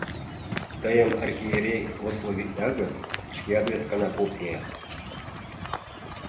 Тыйым архиерей «лословитла» гын, шкеат вескана поп лият.